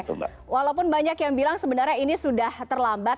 walaupun banyak yang bilang sebenarnya ini sudah terlambat